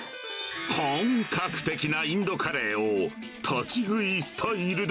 本格的なインドカレーを、立ち食いスタイルで。